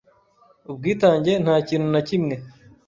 ubwitange nta kintu na kimwe